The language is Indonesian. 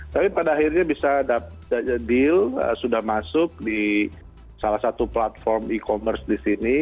tapi pada akhirnya bisa dapat deal sudah masuk di salah satu platform e commerce di sini